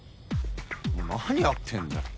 何やってんだよ。